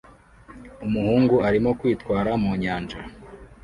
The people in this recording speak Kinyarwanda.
Umuhungu arimo kwitwara mu nyanja